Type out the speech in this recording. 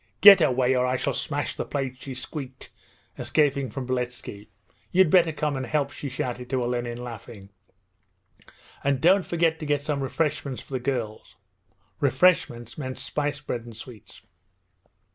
'Get away or I shall smash the plates!' she squeaked, escaping from Beletski. 'You'd better come and help,' she shouted to Olenin, laughing. 'And don't forget to get some refreshments for the girls.' ('Refreshments' meaning spicebread and sweets.)